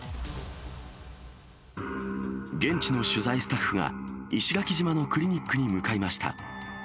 現地の取材スタッフが、石垣島のクリニックに向かいました。